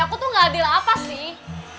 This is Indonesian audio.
aku tuh gak adil apa sih